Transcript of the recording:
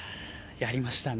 やりましたね。